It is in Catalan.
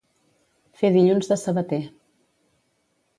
Fer dilluns de sabater.